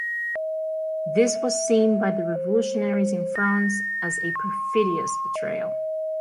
This was seen by the revolutionaries in France as a "perfidious" betrayal.